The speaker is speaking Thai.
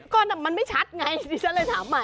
ก็มันไม่ชัดไงดิฉันเลยถามใหม่